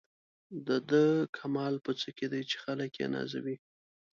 د ده کمال په څه کې دی چې خلک یې نازوي.